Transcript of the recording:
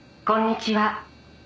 「こんにちは」